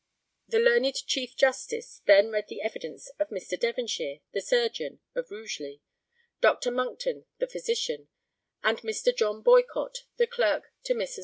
[The learned Chief Justice then read the evidence of Mr. Devonshire, the surgeon, of Rugeley; Dr. Monckton, the physician; of Mr. John Boycott, the clerk to Messrs.